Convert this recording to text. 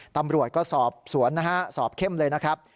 ตำรวจก็สอบสวนนะฮะสอบเข้มเลยนะครับ